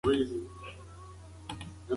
شفافیت په کارونو کې باور پیدا کوي.